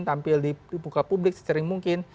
tampil di buka publik secering mungkin